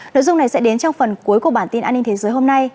nội dung này sẽ đến trong phần cuối của bản tin an ninh thế giới hôm nay